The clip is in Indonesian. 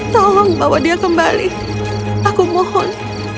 tolong bawa dia kembali aku mohon